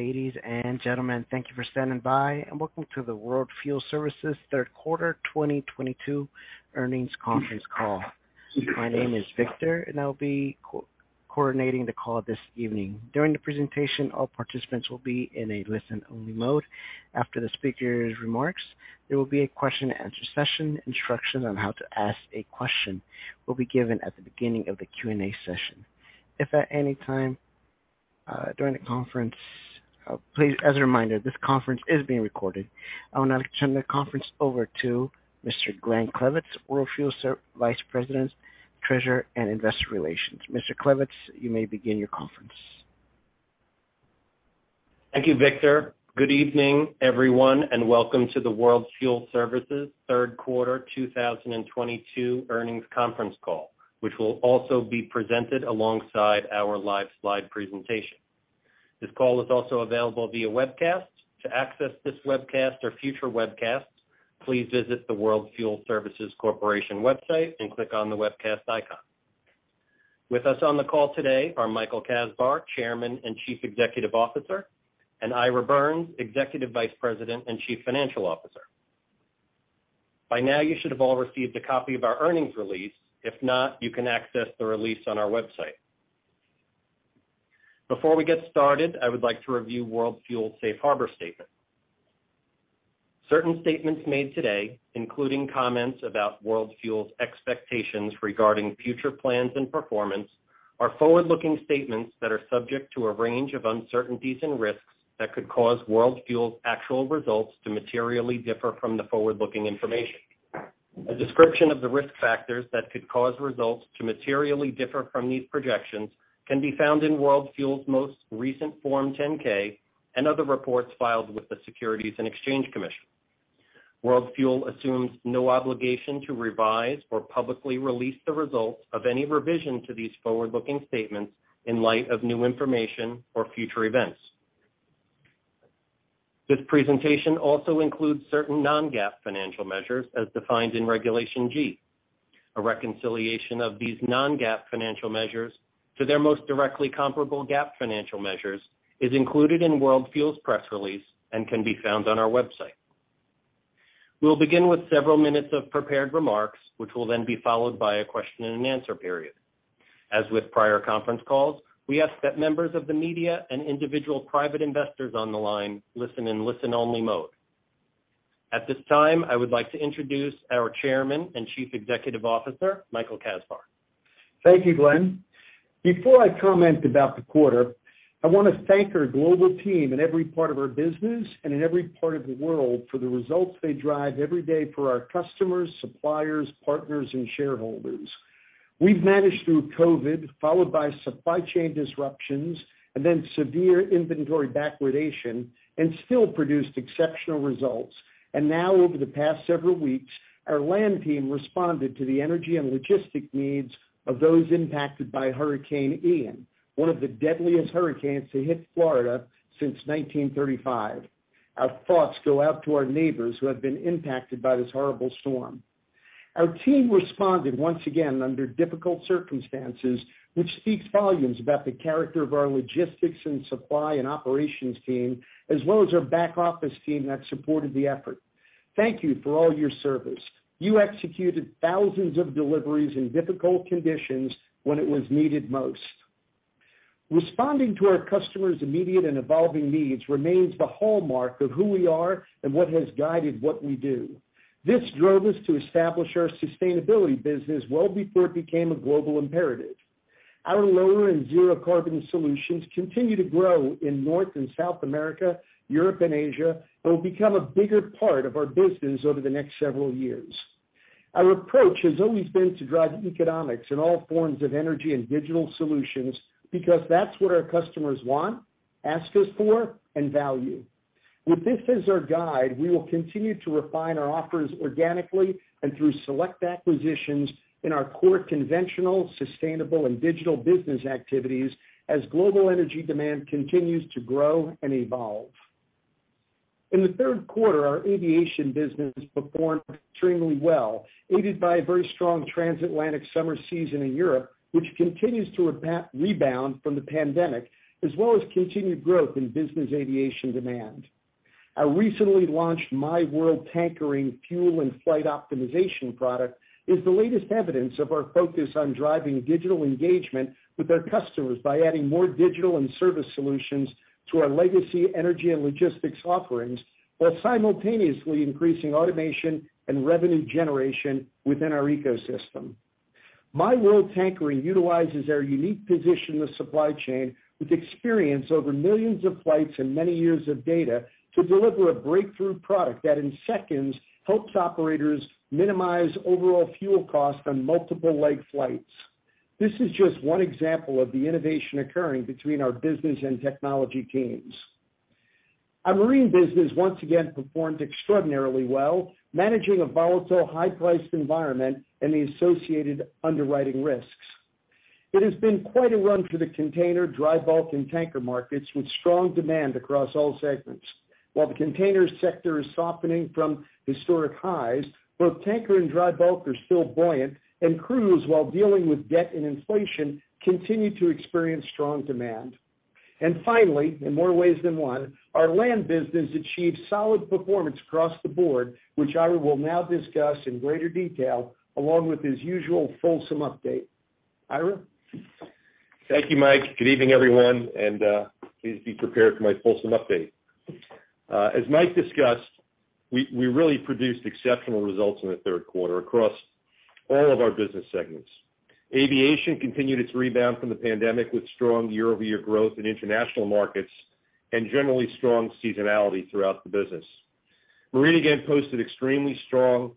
Ladies and gentlemen, thank you for standing by and welcome to the World Fuel Services third quarter 2022 earnings conference call. My name is Victor, and I'll be coordinating the call this evening. During the presentation, all participants will be in a listen-only mode. After the speaker's remarks, there will be a Q&A session. Instructions on how to ask a question will be given at the beginning of the Q&A session. Please, as a reminder, this conference is being recorded. I will now turn the conference over to Mr. Glenn Klevitz, Vice President, Treasurer and Investor Relations, World Fuel Services. Mr. Klevitz, you may begin your conference. Thank you, Victor. Good evening, everyone, and welcome to the World Fuel Services third quarter 2022 earnings conference call, which will also be presented alongside our live slide presentation. This call is also available via webcast. To access this webcast or future webcasts, please visit the World Fuel Services Corporation website and click on the webcast icon. With us on the call today are Michael Kasbar, Chairman and Chief Executive Officer, and Ira Birns, Executive Vice President and Chief Financial Officer. By now, you should have all received a copy of our earnings release. If not, you can access the release on our website. Before we get started, I would like to review World Fuel's safe harbor statement. Certain statements made today, including comments about World Fuel's expectations regarding future plans and performance, are forward-looking statements that are subject to a range of uncertainties and risks that could cause World Fuel's actual results to materially differ from the forward-looking information. A description of the risk factors that could cause results to materially differ from these projections can be found in World Fuel's most recent Form 10-K and other reports filed with the Securities and Exchange Commission. World Fuel assumes no obligation to revise or publicly release the results of any revision to these forward-looking statements in light of new information or future events. This presentation also includes certain non-GAAP financial measures as defined in Regulation G. A reconciliation of these non-GAAP financial measures to their most directly comparable GAAP financial measures is included in World Fuel's press release and can be found on our website. We will begin with several minutes of prepared remarks, which will then be followed by a Q&A period. As with prior conference calls, we ask that members of the media and individual private investors on the line listen in listen-only mode. At this time, I would like to introduce our Chairman and Chief Executive Officer, Michael J. Kasbar. Thank you, Glenn. Before I comment about the quarter, I want to thank our global team in every part of our business and in every part of the world for the results they drive every day for our customers, suppliers, partners, and shareholders. We've managed through COVID, followed by supply chain disruptions and then severe inventory backwardation and still produced exceptional results. Now over the past several weeks, our land team responded to the energy and logistic needs of those impacted by Hurricane Ian, one of the deadliest hurricanes to hit Florida since 1935. Our thoughts go out to our neighbors who have been impacted by this horrible storm. Our team responded once again under difficult circumstances, which speaks volumes about the character of our logistics and supply and operations team, as well as our back-office team that supported the effort. Thank you for all your service. You executed thousands of deliveries in difficult conditions when it was needed most. Responding to our customers' immediate and evolving needs remains the hallmark of who we are and what has guided what we do. This drove us to establish our sustainability business well before it became a global imperative. Our lower and zero carbon solutions continue to grow in North and South America, Europe and Asia, and will become a bigger part of our business over the next several years. Our approach has always been to drive economics in all forms of energy and digital solutions because that's what our customers want, ask us for, and value. With this as our guide, we will continue to refine our offerings organically and through select acquisitions in our core conventional, sustainable, and digital business activities as global energy demand continues to grow and evolve. In the third quarter, our aviation business performed extremely well, aided by a very strong transatlantic summer season in Europe, which continues to rebound from the pandemic, as well as continued growth in business aviation demand. Our recently launched myWorld Tankering fuel and flight optimization product is the latest evidence of our focus on driving digital engagement with our customers by adding more digital and service solutions to our legacy energy and logistics offerings, while simultaneously increasing automation and revenue generation within our ecosystem. myWorld Tankering utilizes our unique position in the supply chain with experience over millions of flights and many years of data to deliver a breakthrough product that, in seconds, helps operators minimize overall fuel costs on multiple leg flights. This is just one example of the innovation occurring between our business and technology teams. Our marine business once again performed extraordinarily well, managing a volatile, high-priced environment and the associated underwriting risks. It has been quite a run for the container, dry bulk, and tanker markets with strong demand across all segments. While the container sector is softening from historic highs, both tanker and dry bulk are still buoyant, and crews, while dealing with debt and inflation, continue to experience strong demand. Finally, in more ways than one, our land business achieved solid performance across the board, which Ira will now discuss in greater detail, along with his usual fulsome update. Ira? Thank you, Mike. Good evening, everyone, and please be prepared for my fulsome update. As Mike discussed, we really produced exceptional results in the third quarter across all of our business segments. Aviation continued its rebound from the pandemic with strong year-over-year growth in international markets and generally strong seasonality throughout the business. Marine again posted extremely strong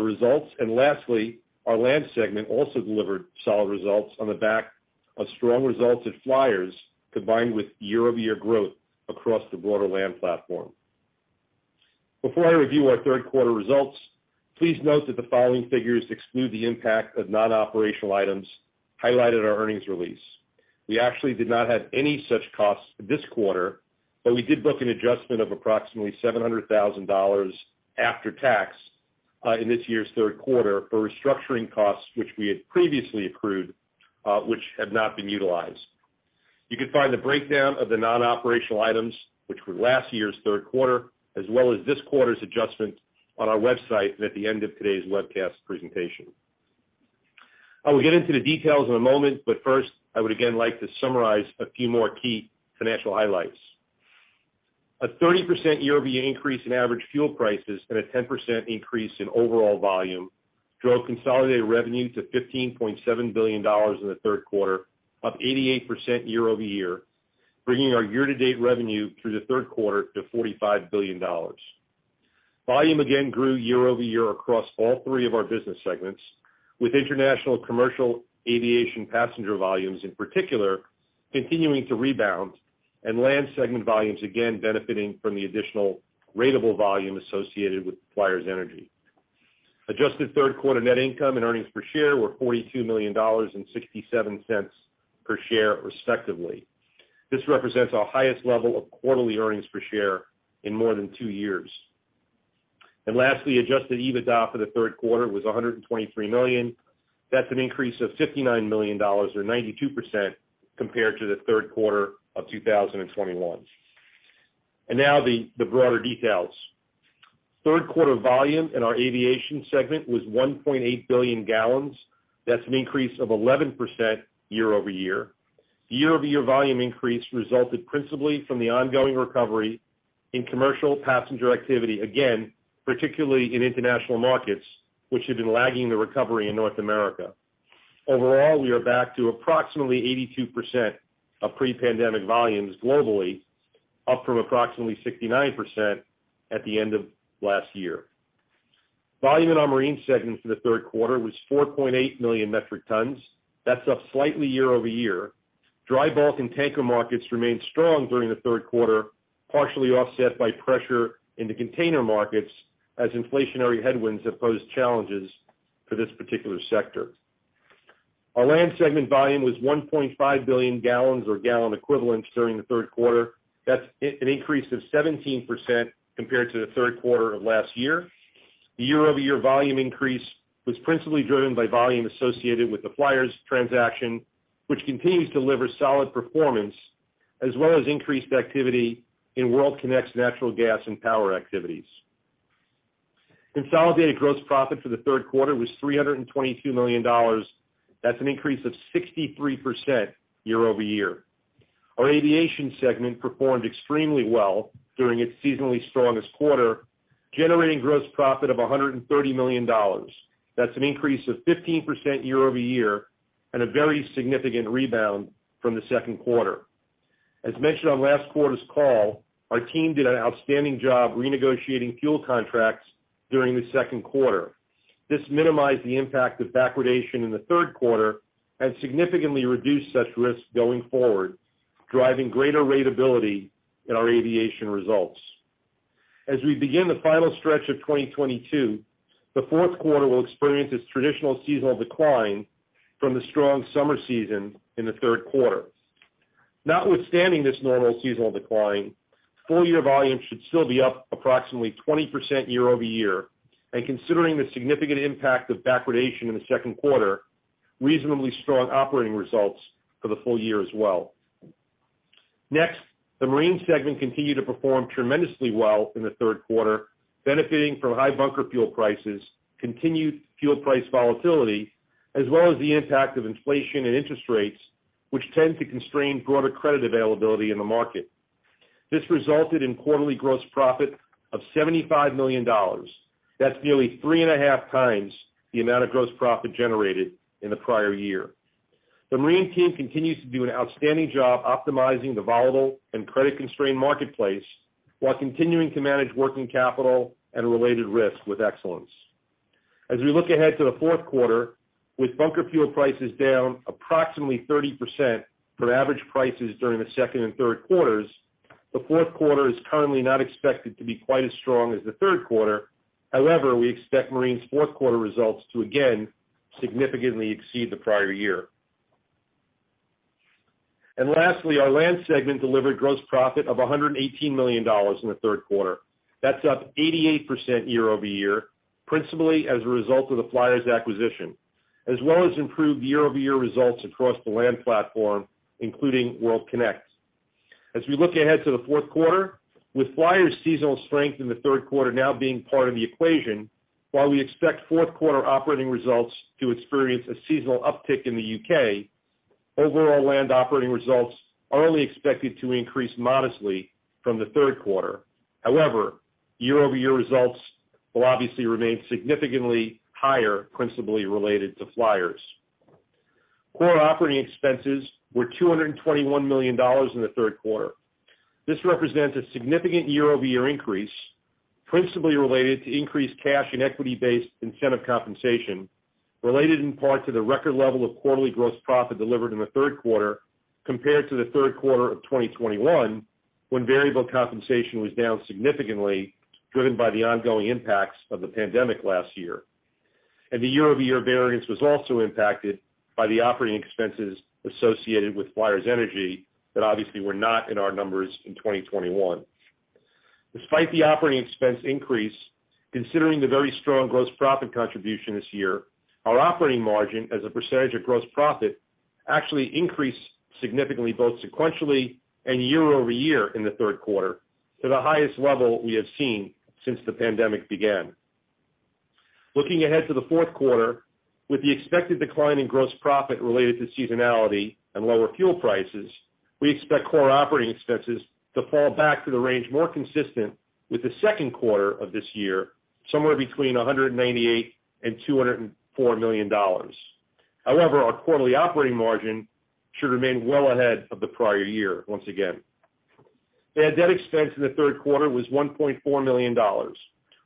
results. Lastly, our land segment also delivered solid results on the back of strong results at Flyers, combined with year-over-year growth across the broader land platform. Before I review our third quarter results, please note that the following figures exclude the impact of non-operational items highlighted in our earnings release. We actually did not have any such costs this quarter, but we did book an adjustment of approximately $700,000 after tax, in this year's third quarter for restructuring costs which we had previously accrued, which had not been utilized. You can find the breakdown of the non-operational items, which were last year's third quarter, as well as this quarter's adjustment on our website and at the end of today's webcast presentation. I will get into the details in a moment, but first, I would again like to summarize a few more key financial highlights. A 30% year-over-year increase in average fuel prices and a 10% increase in overall volume drove consolidated revenue to $15.7 billion in the third quarter, up 88% year-over-year, bringing our year-to-date revenue through the third quarter to $45 billion. Volume again grew year-over-year across all three of our business segments, with international commercial aviation passenger volumes, in particular, continuing to rebound and land segment volumes again benefiting from the additional ratable volume associated with Flyers Energy. Adjusted third quarter net income and earnings per share were $42 million and $0.67 per share, respectively. This represents our highest level of quarterly earnings per share in more than two years. Lastly, adjusted EBITDA for the third quarter was $123 million. That's an increase of $59 million or 92% compared to the third quarter of 2021. Now the broader details. Third quarter volume in our aviation segment was 1.8 billion gal. That's an increase of 11% year-over-year. Year-over-year volume increase resulted principally from the ongoing recovery in commercial passenger activity, again, particularly in international markets, which have been lagging the recovery in North America. Overall, we are back to approximately 82% of pre-pandemic volumes globally, up from approximately 69% at the end of last year. Volume in our marine segment for the third quarter was 4.8 million metric tons. That's up slightly year over year. Dry bulk and tanker markets remained strong during the third quarter, partially offset by pressure in the container markets as inflationary headwinds have posed challenges for this particular sector. Our land segment volume was 1.5 billion gal or gal equivalents during the third quarter. That's an increase of 17% compared to the third quarter of last year. Year-over-year volume increase was principally driven by volume associated with the Flyers transaction, which continues to deliver solid performance, as well as increased activity in World Kinect's natural gas and power activities. Consolidated gross profit for the third quarter was $322 million. That's an increase of 63% year-over-year. Our aviation segment performed extremely well during its seasonally strongest quarter, generating gross profit of $130 million. That's an increase of 15% year-over-year and a very significant rebound from the second quarter. As mentioned on last quarter's call, our team did an outstanding job renegotiating fuel contracts during the second quarter. This minimized the impact of backwardation in the third quarter and significantly reduced such risks going forward, driving greater ratability in our aviation results. As we begin the final stretch of 2022, the fourth quarter will experience its traditional seasonal decline from the strong summer season in the third quarter. Notwithstanding this normal seasonal decline, full year volume should still be up approximately 20% year-over-year, and considering the significant impact of backwardation in the second quarter, reasonably strong operating results for the full year as well. Next, the marine segment continued to perform tremendously well in the third quarter, benefiting from high bunker fuel prices, continued fuel price volatility, as well as the impact of inflation and interest rates, which tend to constrain broader credit availability in the market. This resulted in quarterly gross profit of $75 million. That's nearly 3.5 times the amount of gross profit generated in the prior year. The marine team continues to do an outstanding job optimizing the volatile and credit-constrained marketplace while continuing to manage working capital and related risks with excellence. As we look ahead to the fourth quarter, with bunker fuel prices down approximately 30% for average prices during the second and third quarters, the fourth quarter is currently not expected to be quite as strong as the third quarter. However, we expect marine's fourth quarter results to again significantly exceed the prior year. Lastly, our land segment delivered gross profit of $118 million in the third quarter. That's up 88% year-over-year, principally as a result of the Flyers acquisition, as well as improved year-over-year results across the land platform, including World Kinect. As we look ahead to the fourth quarter, with Flyers seasonal strength in the third quarter now being part of the equation, while we expect fourth quarter operating results to experience a seasonal uptick in the U.K., overall land operating results are only expected to increase modestly from the third quarter. However, year-over-year results will obviously remain significantly higher, principally related to Flyers. Core operating expenses were $221 million in the third quarter. This represents a significant year-over-year increase, principally related to increased cash and equity-based incentive compensation, related in part to the record level of quarterly gross profit delivered in the third quarter compared to the third quarter of 2021, when variable compensation was down significantly, driven by the ongoing impacts of the pandemic last year. The year-over-year variance was also impacted by the operating expenses associated with Flyers Energy that obviously were not in our numbers in 2021. Despite the operating expense increase, considering the very strong gross profit contribution this year, our operating margin as a percentage of gross profit actually increased significantly, both sequentially and year-over-year in the third quarter to the highest level we have seen since the pandemic began. Looking ahead to the fourth quarter, with the expected decline in gross profit related to seasonality and lower fuel prices, we expect core operating expenses to fall back to the range more consistent with the second quarter of this year, somewhere between $198 million-$204 million. However, our quarterly operating margin should remain well ahead of the prior year once again. Bad debt expense in the third quarter was $1.4 million.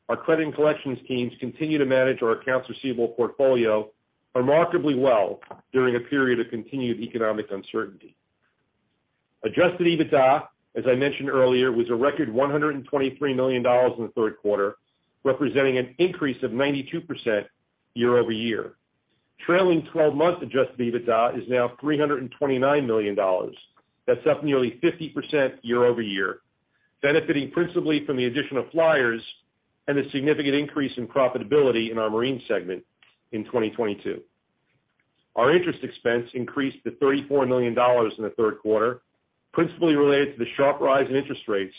Our credit and collections teams continue to manage our accounts receivable portfolio remarkably well during a period of continued economic uncertainty. Adjusted EBITDA, as I mentioned earlier, was a record $123 million in the third quarter, representing an increase of 92% year-over-year. Trailing 12-month adjusted EBITDA is now $329 million. That's up nearly 50% year-over-year, benefiting principally from the addition of Flyers and a significant increase in profitability in our marine segment in 2022. Our interest expense increased to $34 million in the third quarter, principally related to the sharp rise in interest rates,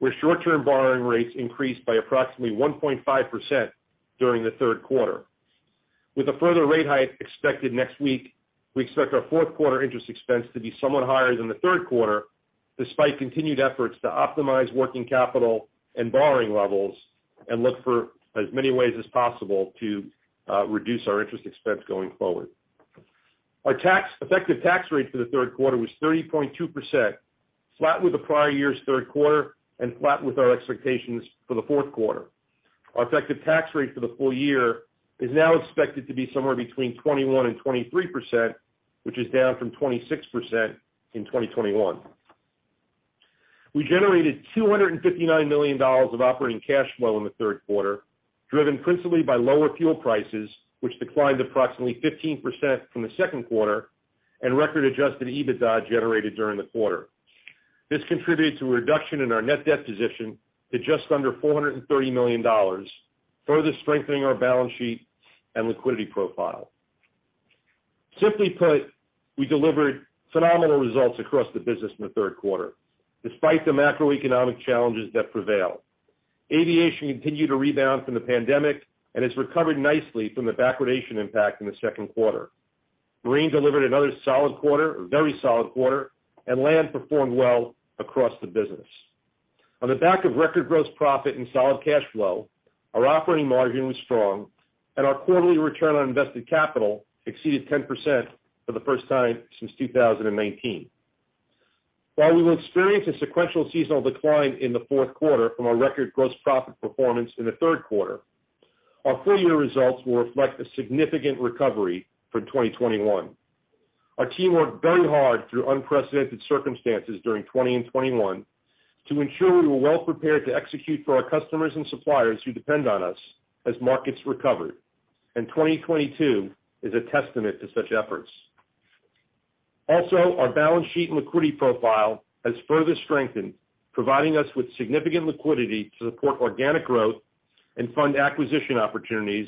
where short-term borrowing rates increased by approximately 1.5% during the third quarter. With a further rate hike expected next week, we expect our fourth quarter interest expense to be somewhat higher than the third quarter, despite continued efforts to optimize working capital and borrowing levels and look for as many ways as possible to reduce our interest expense going forward. Our effective tax rate for the third quarter was 30.2%, flat with the prior year's third quarter and flat with our expectations for the fourth quarter. Our effective tax rate for the full year is now expected to be somewhere between 21%-23%, which is down from 26% in 2021. We generated $259 million of operating cash flow in the third quarter, driven principally by lower fuel prices, which declined approximately 15% from the second quarter, and record adjusted EBITDA generated during the quarter. This contributed to a reduction in our net debt position to just under $430 million, further strengthening our balance sheet and liquidity profile. Simply put, we delivered phenomenal results across the business in the third quarter, despite the macroeconomic challenges that prevail. Aviation continued to rebound from the pandemic and has recovered nicely from the backwardation impact in the second quarter. Marine delivered another solid quarter, a very solid quarter, and land performed well across the business. On the back of record gross profit and solid cash flow, our operating margin was strong and our quarterly return on invested capital exceeded 10% for the first time since 2019. While we will experience a sequential seasonal decline in the fourth quarter from our record gross profit performance in the third quarter, our full year results will reflect a significant recovery from 2021. Our team worked very hard through unprecedented circumstances during 2020 and 2021 to ensure we were well prepared to execute for our customers and suppliers who depend on us as markets recovered. 2022 is a testament to such efforts. Also, our balance sheet and liquidity profile has further strengthened, providing us with significant liquidity to support organic growth and fund acquisition opportunities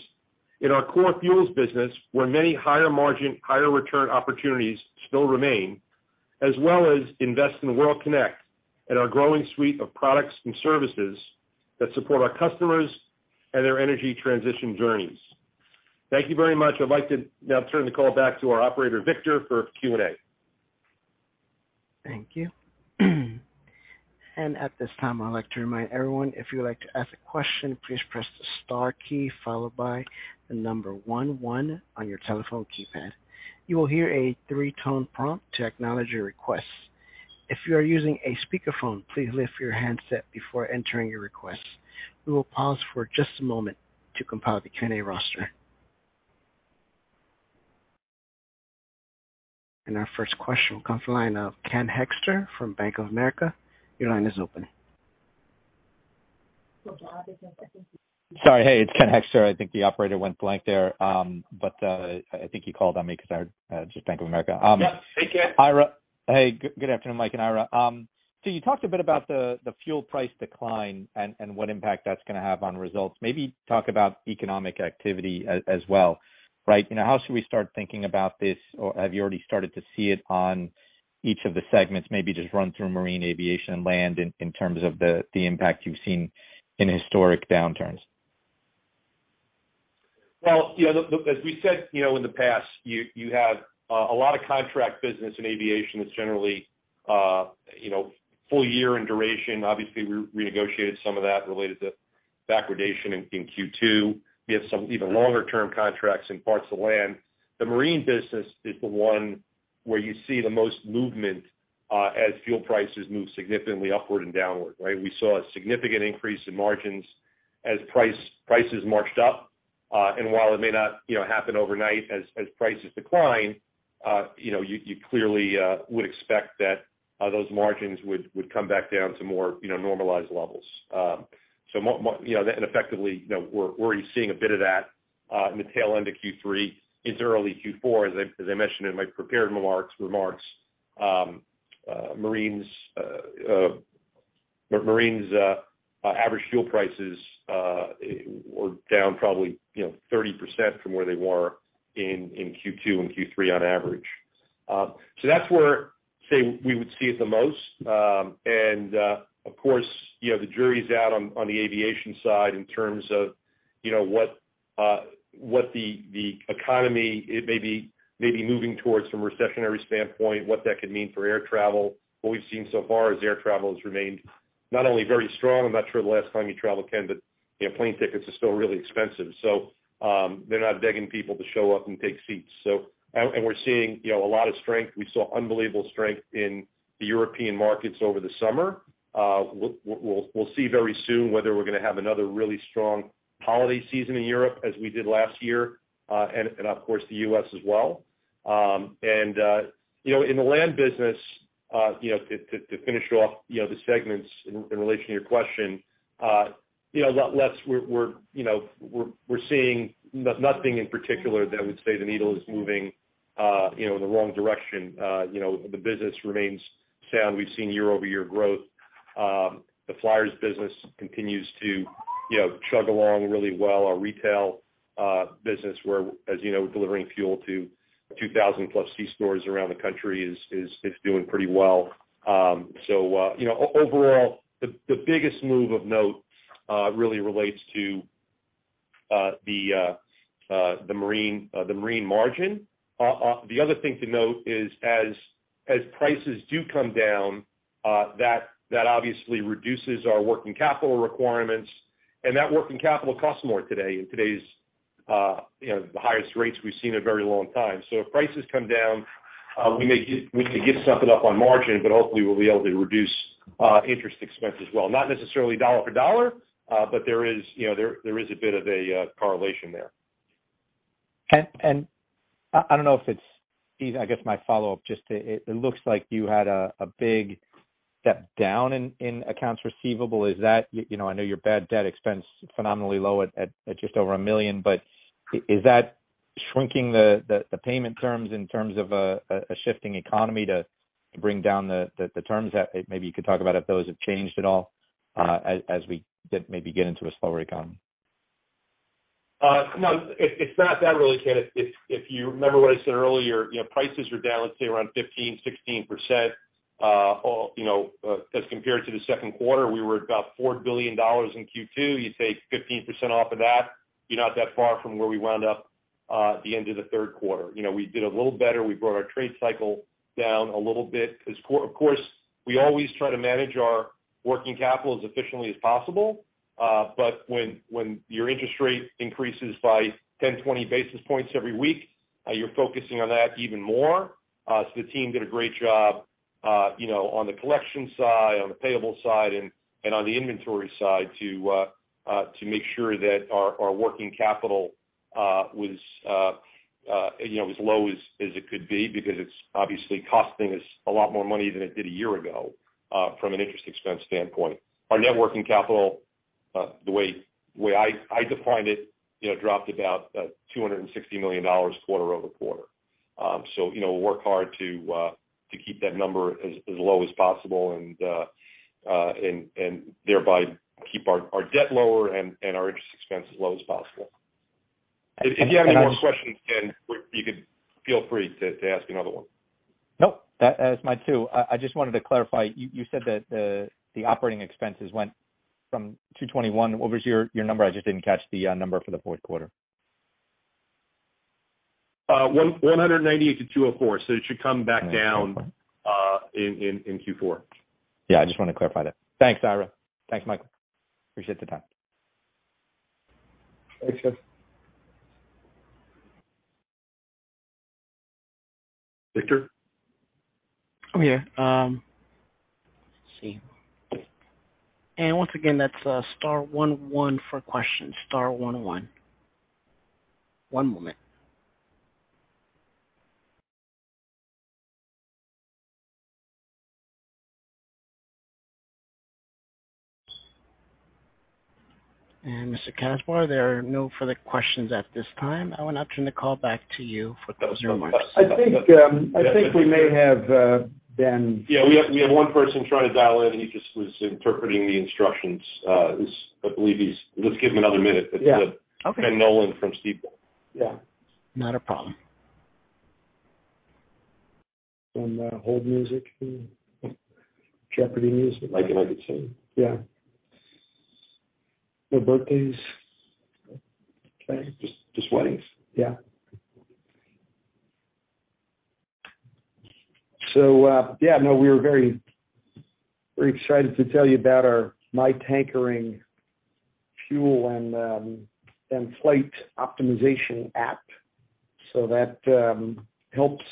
in our core fuels business, where many higher margin, higher return opportunities still remain, as well as invest in World Kinect and our growing suite of products and services that support our customers and their energy transition journeys. Thank you very much. I'd like to now turn the call back to our operator, Victor, for Q&A. Thank you. At this time, I'd like to remind everyone, if you would like to ask a question, please press the star key followed by the number one one on your telephone keypad. You will hear a three-tone prompt to acknowledge your request. If you are using a speakerphone, please lift your handset before entering your request. We will pause for just a moment to compile the Q&A roster. Our first question will come from the line of Ken Hoexter from Bank of America. Your line is open. Sorry. Hey, it's Ken Hoexter. I think the operator went blank there. I think he called on me 'cause I just Bank of America. Yeah. Hey, Ken. Ira. Hey, good afternoon, Mike and Ira. You talked a bit about the fuel price decline and what impact that's gonna have on results. Maybe talk about economic activity as well, right? You know, how should we start thinking about this? Or have you already started to see it on each of the segments? Maybe just run through marine, aviation, and land in terms of the impact you've seen in historic downturns. Well, you know, as we said, you know, in the past, you have a lot of contract business in aviation that's generally, you know, full year in duration. Obviously, we renegotiated some of that related to backwardation in Q2. We have some even longer-term contracts in parts of land. The marine business is the one where you see the most movement as fuel prices move significantly upward and downward, right? We saw a significant increase in margins as prices marched up. And while it may not, you know, happen overnight as prices decline, you know, you clearly would expect that those margins would come back down to more, you know, normalized levels. Month-over-month, you know, effectively, you know, we're already seeing a bit of that in the tail end of Q3 into early Q4, as I mentioned in my prepared remarks. Marine's average fuel prices were down probably, you know, 30% from where they were in Q2 and Q3 on average. That's where we would see it the most. Of course, you know, the jury's out on the aviation side in terms of, you know, what the economy may be moving towards from a recessionary standpoint, what that could mean for air travel. What we've seen so far is air travel has remained not only very strong. I'm not sure the last time you traveled, Ken, but, you know, plane tickets are still really expensive, so, they're not begging people to show up and take seats. We're seeing, you know, a lot of strength. We saw unbelievable strength in the European markets over the summer. We'll see very soon whether we're gonna have another really strong holiday season in Europe as we did last year, and of course the U.S. as well. You know, in the land business, you know, to finish off the segments in relation to your question, you know, we're seeing nothing in particular that would say the needle is moving, you know, in the wrong direction. You know, the business remains sound. We've seen year-over-year growth. The Flyers business continues to, you know, chug along really well. Our retail business, we're, as you know, delivering fuel to 2,000 plus C-stores around the country is doing pretty well. You know, overall, the biggest move of note really relates to the marine margin. The other thing to note is as prices do come down, that obviously reduces our working capital requirements, and that working capital costs more today in today's you know the highest rates we've seen in a very long time. So if prices come down, we may give something up on margin, but hopefully we'll be able to reduce interest expense as well. Not necessarily dollar for dollar, but there is you know a bit of a correlation there. I don't know if it's easy. I guess my follow-up. It looks like you had a big step down in accounts receivable. Is that? You know, I know your bad debt expense phenomenally low at just over $1 million, but is that shrinking the payment terms in terms of a shifting economy to bring down the terms that maybe you could talk about if those have changed at all, as we maybe get into a slower economy? No, it's not that really, Ken. If you remember what I said earlier, you know, prices are down, let's say around 15%-16%, as compared to the second quarter, we were about $4 billion in Q2. You take 15% off of that, you're not that far from where we wound up at the end of the third quarter. You know, we did a little better. We brought our trade cycle down a little bit. Of course, we always try to manage our working capital as efficiently as possible, but when your interest rate increases by 10-20 basis points every week, you're focusing on that even more. The team did a great job, you know, on the collection side, on the payable side, and on the inventory side to make sure that our working capital was you know as low as it could be, because it's obviously costing us a lot more money than it did a year ago from an interest expense standpoint. Our net working capital, the way I defined it, you know, dropped about $260 million quarter-over-quarter. You know, we work hard to keep that number as low as possible and thereby keep our debt lower and our interest expense as low as possible. If you have any more questions, Ken, you could feel free to ask another one. Nope. That's my two. I just wanted to clarify. You said that the operating expenses went from $221. What was your number? I just didn't catch the number for the fourth quarter. $198 million-$204 million. It should come back down. Yeah. in Q4. Yeah, I just wanted to clarify that. Thanks, Ira. Thanks, Michael. Appreciate the time. Thanks, Ken. Victor? I'm here. Let's see. Once again, that's star one one for questions, star one one. One moment. Mr. Kasbar, there are no further questions at this time. I will now turn the call back to you for closing remarks. I think we may have Ben. Yeah. We have one person trying to dial in, and he just was interpreting the instructions. Let's give him another minute. Yeah. Okay. Ben Nolan from Stifel. Yeah. Not a problem. Some hold music. Jeopardy music. Like you had at Sony. Yeah. No birthdays? Just weddings. Yeah. Yeah, no, we're very excited to tell you about our myWorld fuel and flight optimization app. That helps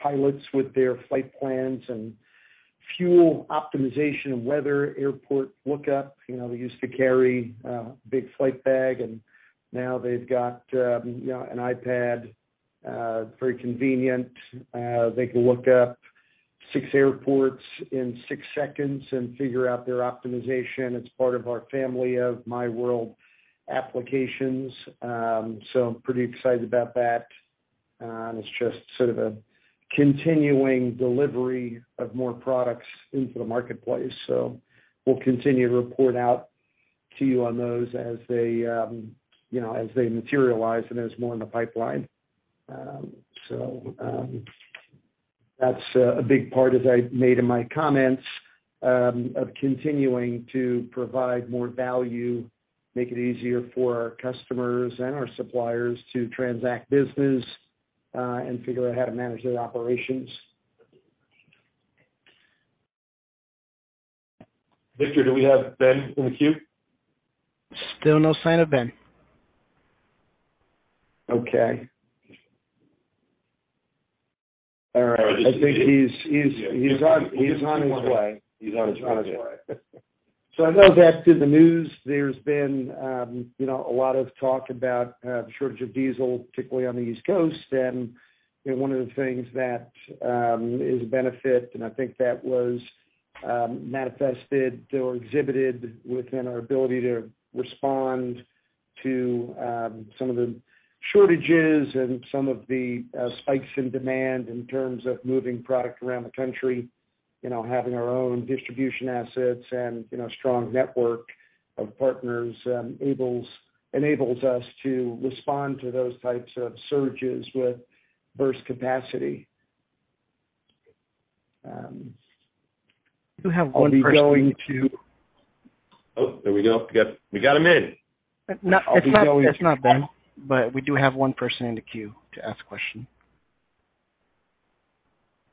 pilots with their flight plans and fuel optimization, weather, airport lookup. You know, they used to carry a big flight bag, and now they've got, you know, an iPad. Very convenient. They can look up six airports in six seconds and figure out their optimization. It's part of our family of myWorld applications. I'm pretty excited about that. It's just sort of a continuing delivery of more products into the marketplace. We'll continue to report out to you on those as they, you know, as they materialize and there's more in the pipeline. That's a big part, as I made in my comments, of continuing to provide more value, make it easier for our customers and our suppliers to transact business, and figure out how to manage their operations. Victor, do we have Ben in the queue? Still no sign of Ben. Okay. All right. I think he's on his way. He's on his way. I know that in the news there's been, you know, a lot of talk about the shortage of diesel, particularly on the East Coast. You know, one of the things that is a benefit, and I think that was manifested or exhibited within our ability to respond to some of the shortages and some of the spikes in demand in terms of moving product around the country. You know, having our own distribution assets and, you know, strong network of partners enables us to respond to those types of surges with burst capacity. You have one person. I'll be going to- Oh, there we go. We got him in. No, it's not, it's not Ben, but we do have one person in the queue to ask a question.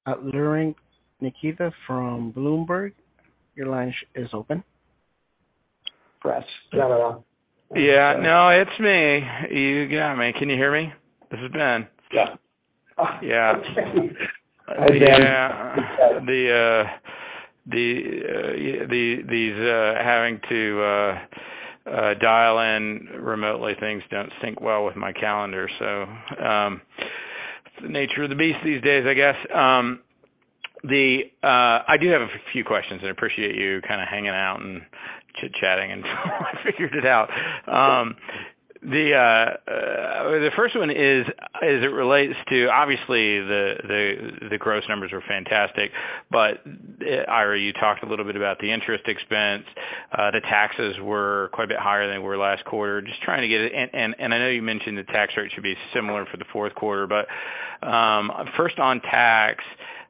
Ben Nolan from Stifel, your line is open. Press star one. Yeah. No, it's me. You got me. Can you hear me? This is Ben. Yeah. Yeah. Hi, Ben. Yeah. These having to dial in remotely things don't sync well with my calendar. It's the nature of the beast these days, I guess. I do have a few questions, and I appreciate you kind of hanging out and chit-chatting until I figured it out. The first one is as it relates to obviously the gross numbers are fantastic, but Ira, you talked a little bit about the interest expense. The taxes were quite a bit higher than they were last quarter. Just trying to get. I know you mentioned the tax rate should be similar for the fourth quarter, but first on tax,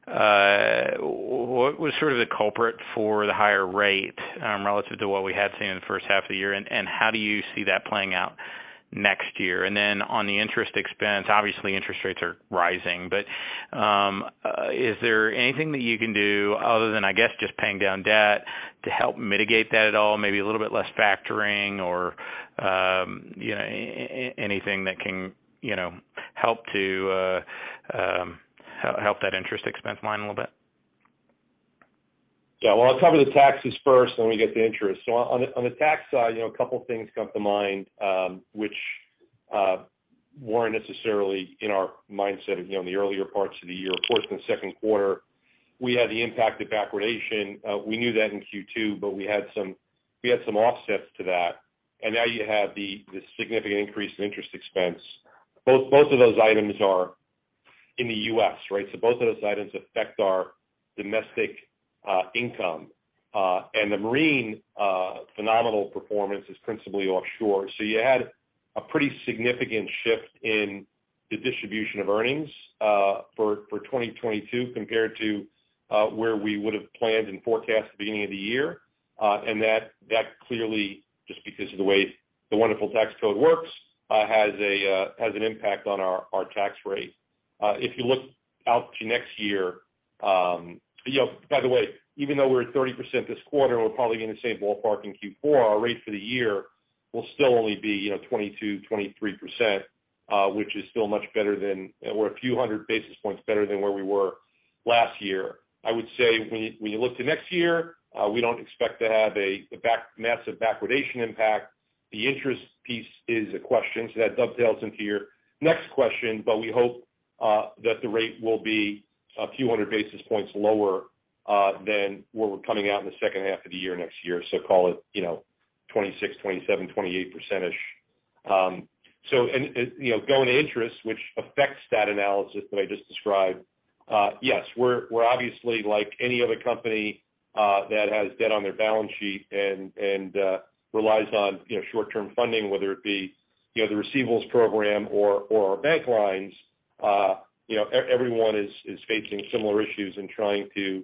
what was sort of the culprit for the higher rate, relative to what we had seen in the first half of the year? How do you see that playing out next year? On the interest expense, obviously interest rates are rising, but is there anything that you can do other than, I guess, just paying down debt to help mitigate that at all? Maybe a little bit less factoring or, you know, anything that can, you know, help to help that interest expense line a little bit. Yeah. Well, I'll cover the taxes first, then we get to interest. On the tax side, you know, a couple things come to mind, which weren't necessarily in our mindset, you know, in the earlier parts of the year. Of course, in the second quarter, we had the impact of backwardation. We knew that in Q2, but we had some offsets to that. Now you have the significant increase in interest expense. Both of those items are in the U.S., right? Both of those items affect our domestic income. The marine phenomenal performance is principally offshore. You had a pretty significant shift in the distribution of earnings for 2022 compared to where we would've planned and forecast at the beginning of the year. That clearly, just because of the way the wonderful tax code works, has an impact on our tax rate. If you look out to next year, you know, by the way, even though we're at 30% this quarter, we're probably gonna say ballpark in Q4, our rate for the year will still only be, you know, 22%-23%, which is still much better than. We're a few hundred basis points better than where we were last year. I would say when you look to next year, we don't expect to have a massive backwardation impact. The interest piece is a question, so that dovetails into your next question, but we hope that the rate will be a few hundred basis points lower than where we're coming out in the second half of the year next year. Call it, you know, 26, 27, 28%-ish. You know, going to interest, which affects that analysis that I just described, yes, we're obviously like any other company that has debt on their balance sheet and relies on, you know, short-term funding, whether it be, you know, the receivables program or our bank lines, you know, everyone is facing similar issues and trying to,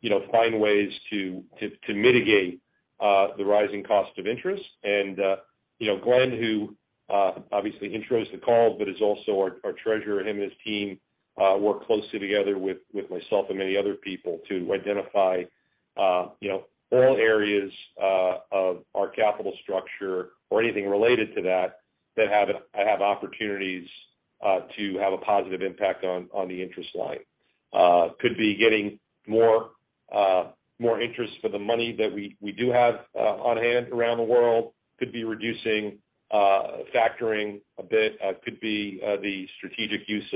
you know, find ways to mitigate the rising cost of interest. You know, Glenn, who obviously intros the call, but is also our treasurer, him and his team work closely together with myself and many other people to identify, you know, all areas of our capital structure or anything related to that that have opportunities to have a positive impact on the interest line. Could be getting more interest for the money that we do have on hand around the world. Could be reducing factoring a bit. Could be the strategic use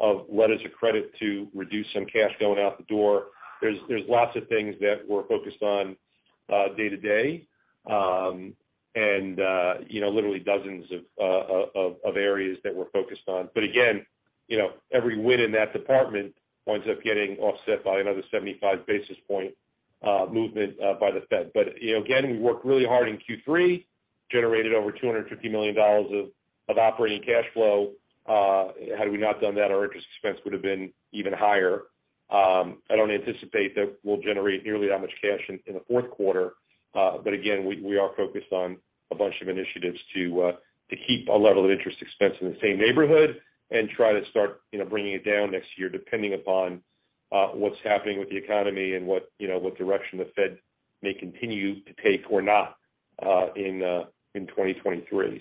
of letters of credit to reduce some cash going out the door. There's lots of things that we're focused on day to day. You know, literally dozens of areas that we're focused on. Again, you know, every win in that department winds up getting offset by another 75 basis points movement by the Fed. You know, again, we worked really hard in Q3, generated over $250 million of operating cash flow. Had we not done that, our interest expense would've been even higher. I don't anticipate that we'll generate nearly that much cash in the fourth quarter. Again, we are focused on a bunch of initiatives to keep a level of interest expense in the same neighborhood and try to start, you know, bringing it down next year, depending upon what's happening with the economy and what direction the Fed may continue to take or not in 2023.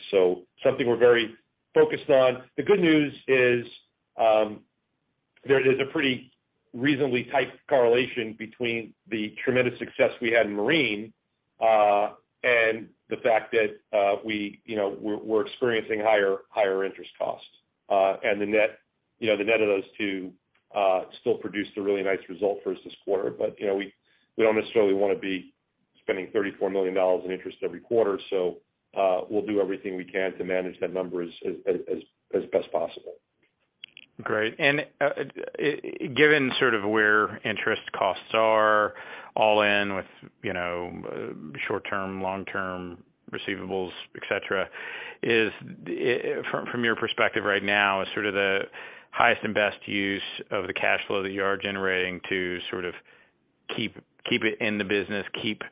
Something we're very focused on. The good news is, there is a pretty reasonably tight correlation between the tremendous success we had in marine and the fact that, you know, we're experiencing higher interest costs. The net of those two still produced a really nice result for us this quarter. You know, we don't necessarily wanna be spending $34 million in interest every quarter. We'll do everything we can to manage that number as best possible. Great. Given sort of where interest costs are all in with, you know, short-term, long-term receivables, et cetera, is from your perspective right now, is sort of the highest and best use of the cash flow that you are generating to sort of keep it in the business, keep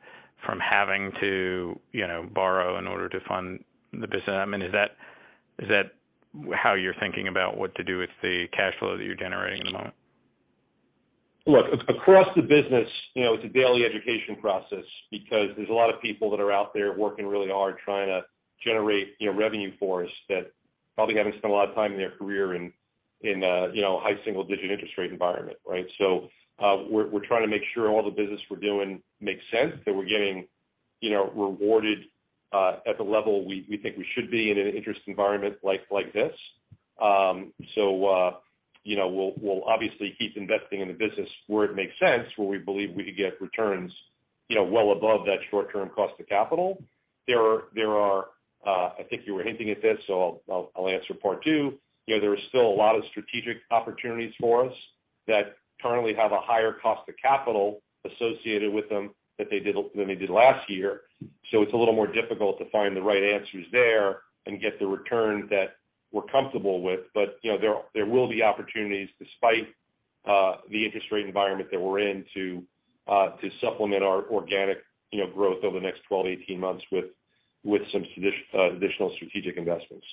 from having to, you know, borrow in order to fund the business? I mean, is that how you're thinking about what to do with the cash flow that you're generating at the moment? Look, across the business, you know, it's a daily education process because there's a lot of people that are out there working really hard trying to generate, you know, revenue for us that probably haven't spent a lot of time in their career in a, you know, high single-digit interest rate environment, right? We're trying to make sure all the business we're doing makes sense, that we're getting, you know, rewarded at the level we think we should be in an interest environment like this. We'll obviously keep investing in the business where it makes sense, where we believe we could get returns, you know, well above that short-term cost of capital. There are, I think you were hinting at this, so I'll answer part two. You know, there are still a lot of strategic opportunities for us that currently have a higher cost of capital associated with them that they did, than they did last year. It's a little more difficult to find the right answers there and get the return that we're comfortable with. You know, there will be opportunities, despite the interest rate environment that we're in, to supplement our organic, you know, growth over the next 12-18 months with some additional strategic investments.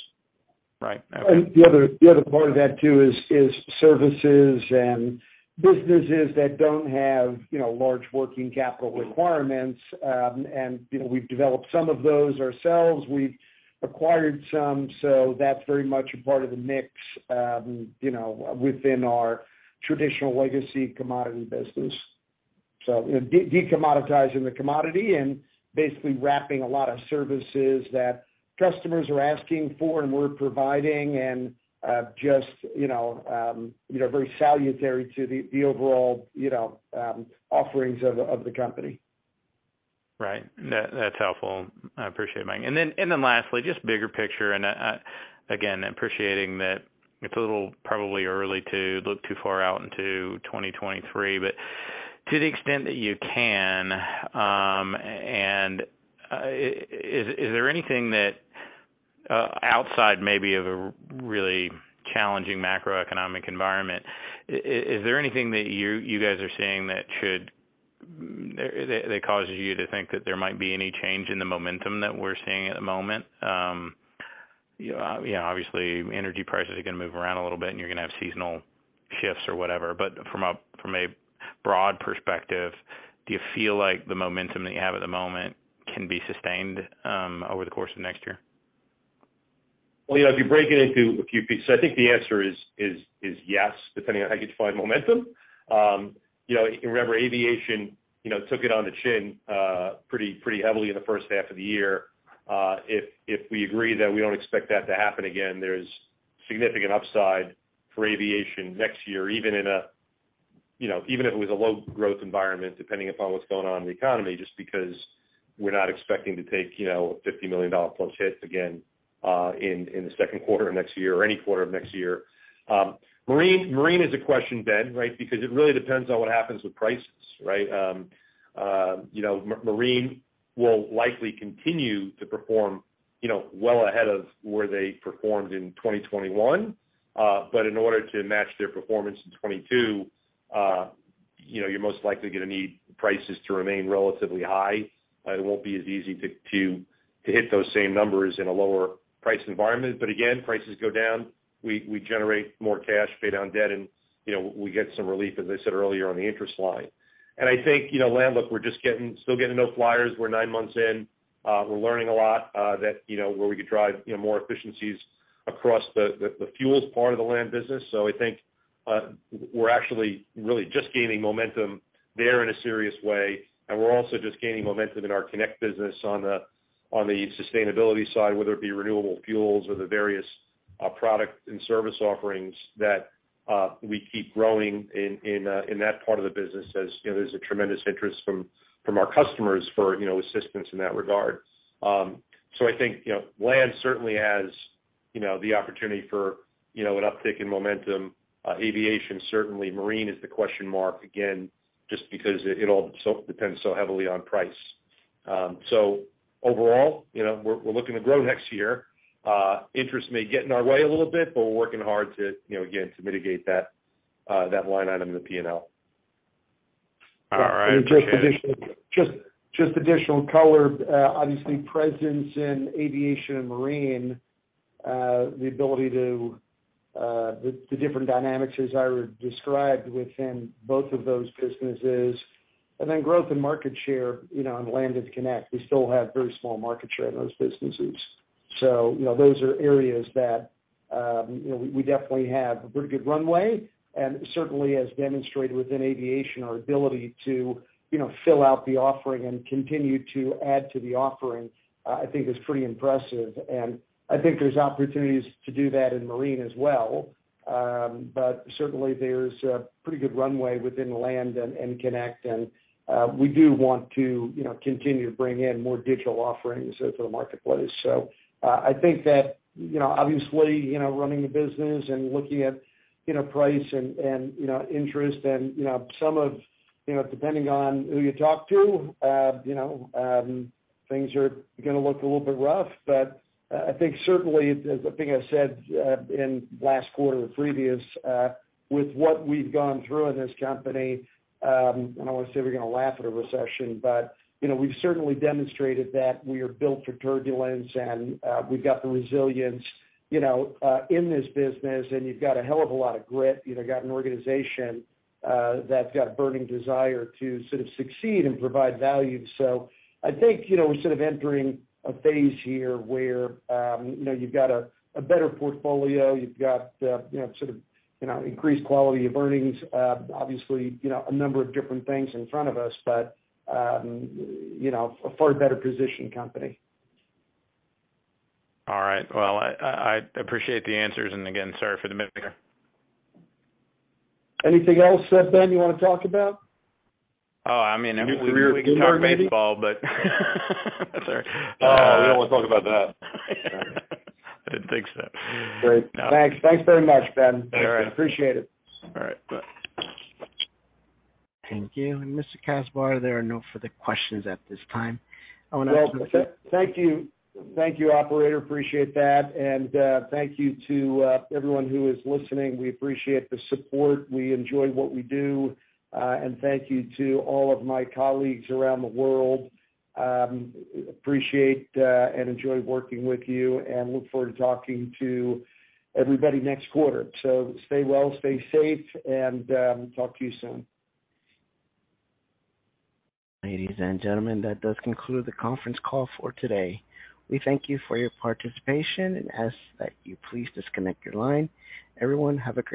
Right. The other part of that too is services and businesses that don't have, you know, large working capital requirements. You know, we've developed some of those ourselves. We've acquired some, so that's very much a part of the mix, you know, within our traditional legacy commodity business. Decommoditizing the commodity and basically wrapping a lot of services that customers are asking for and we're providing and, just, you know, you know, very salutary to the overall, you know, offerings of the company. Right. That's helpful. I appreciate it, Mike. Lastly, just bigger picture, again, appreciating that it's a little probably early to look too far out into 2023, but to the extent that you can, is there anything outside maybe of a really challenging macroeconomic environment that you guys are seeing that should cause you to think that there might be any change in the momentum that we're seeing at the moment? You know, obviously energy prices are gonna move around a little bit and you're gonna have seasonal shifts or whatever. From a broad perspective, do you feel like the momentum that you have at the moment can be sustained over the course of next year? Well, you know, if you break it into a few pieces, I think the answer is yes, depending on how you define momentum. You know, remember aviation, you know, took it on the chin pretty heavily in the first half of the year. If we agree that we don't expect that to happen again, there's significant upside for aviation next year, even in a you know, even if it was a low growth environment, depending upon what's going on in the economy, just because we're not expecting to take, you know, $50 million+ hits again in the second quarter of next year or any quarter of next year. Marine is a question, Ben, right? Because it really depends on what happens with prices, right? You know, marine will likely continue to perform, you know, well ahead of where they performed in 2021. In order to match their performance in 2022, you know, you're most likely gonna need prices to remain relatively high. It won't be as easy to hit those same numbers in a lower price environment. Again, prices go down, we generate more cash, pay down debt, and, you know, we get some relief, as I said earlier, on the interest line. I think, you know, Land. Look, we're just still getting those Flyers. We're nine months in. We're learning a lot, that, you know, where we could drive, you know, more efficiencies across the fuels part of the land business. I think, we're actually really just gaining momentum there in a serious way. We're also just gaining momentum in our Kinect business on the sustainability side, whether it be renewable fuels or the various product and service offerings that we keep growing in that part of the business. As you know, there's a tremendous interest from our customers for, you know, assistance in that regard. I think, you know, land certainly has, you know, the opportunity for, you know, an uptick in momentum. Aviation, certainly marine is the question mark, again, just because it also depends so heavily on price. Overall, you know, we're looking to grow next year. Interest may get in our way a little bit, but we're working hard to, you know, again, to mitigate that line item in the P&L. All right. Appreciate it. Just additional color. Obviously presence in Aviation and Marine, the ability to the different dynamics as I described within both of those businesses. Then growth and market share, you know, on Land and Kinect, we still have very small market share in those businesses. You know, those are areas that we definitely have a pretty good runway. Certainly as demonstrated within Aviation, our ability to, you know, fill out the offering and continue to add to the offering, I think is pretty impressive. I think there's opportunities to do that in Marine as well. Certainly there's a pretty good runway within Land and Kinect. We do want to, you know, continue to bring in more digital offerings to the marketplace. I think that, you know, obviously, you know, running the business and looking at, you know, price and interest and, you know, some of, you know, depending on who you talk to, you know, things are gonna look a little bit rough. I think certainly, as I think I said, in last quarter or previous, with what we've gone through in this company, and I wanna say we're gonna laugh at a recession, but, you know, we've certainly demonstrated that we are built for turbulence and, we've got the resilience, you know, in this business, and you've got a hell of a lot of grit. You've got an organization that's got a burning desire to sort of succeed and provide value. I think, you know, we're sort of entering a phase here where, you know, you've got a better portfolio, you've got, you know, sort of, you know, increased quality of earnings. Obviously, you know, a number of different things in front of us, but, you know, a far better positioned company. All right. Well, I appreciate the answers, and again, sorry for the. Anything else that, Ben, you wanna talk about? Oh, I mean, we can talk baseball, but. Sorry. We don't wanna talk about that. I didn't think so. Great. Thanks. Thanks very much, Ben. All right. Appreciate it. All right. Bye. Thank you. Mr. Kasbar, there are no further questions at this time. Well, thank you. Thank you, operator. Appreciate that. Thank you to everyone who is listening. We appreciate the support. We enjoy what we do. Thank you to all of my colleagues around the world. Appreciate and enjoy working with you and look forward to talking to everybody next quarter. Stay well, stay safe, and talk to you soon. Ladies and gentlemen, that does conclude the conference call for today. We thank you for your participation and ask that you please disconnect your line. Everyone, have a great day.